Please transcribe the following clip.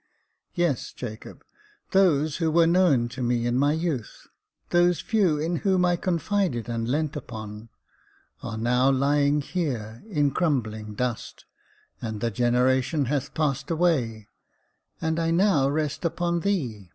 Yes, Jacob, those who were known to me in my youth — those few in whom I confided and leant upon — are now lying here in crumbling dust, and the generation hath passed away ; and I now rest upon thee.